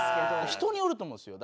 人によると思うんですよ。